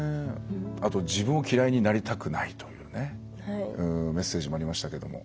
あと、自分を嫌いになりたくないというメッセージもありましたけども。